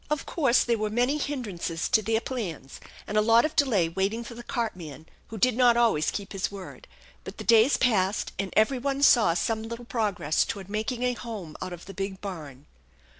Of course there were many hindrances to their plans, and a lot of delay waiting for the cartman, who did not always keep his word; but the days passed, and every one saw some little progress toward making a home out of the big barn.